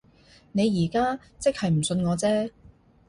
你而家即係唔信我啫